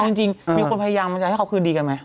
เอาจริงมีคนพยายามจะให้เขาคือดีกันมั้ย